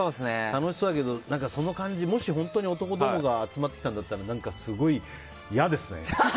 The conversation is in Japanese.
楽しそうだけど、その感じもし本当に男どもが集まってきたんだったら何か、すごい嫌ですよね。